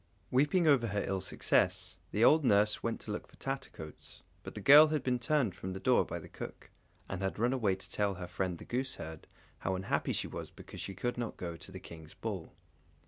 Weeping over her ill success, the old nurse went to look for Tattercoats; but the girl had been turned from the door by the cook, and had run away to tell her friend the gooseherd, how unhappy she was because she could not go to the King's ball.